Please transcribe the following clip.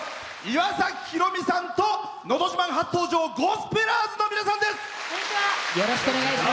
岩崎宏美さんと「のど自慢」初登場ゴスペラーズの皆さんです。